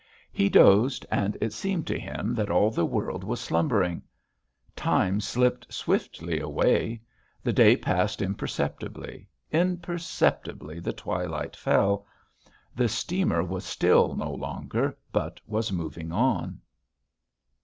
He dozed, and it seemed to him that all the world was slumbering. Time slipped swiftly away. The day passed imperceptibly; imperceptibly the twilight fell.... The steamer was still no longer but was moving on.